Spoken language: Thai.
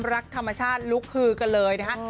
รักธรรมชาติลุกฮือกันเลยนะฮะ